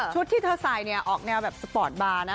ชุดที่เธอสายออกแนวแบบสปอร์ตบาร์นะ